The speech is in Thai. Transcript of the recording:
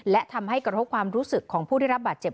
และทำให้กระทบความรู้สึกของผู้ได้รับบาดเจ็บ